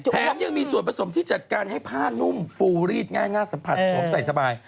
แถมยังมีส่วนผสมที่จัดการให้ผ้านุ่มฟูรีดง่ายน่าสัมผัสสวมใส่สบาย